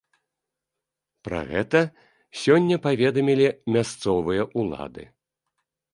Пра гэта сёння паведамілі мясцовыя ўлады.